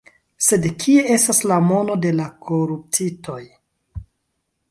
Sed kie estas la mono de la koruptitoj?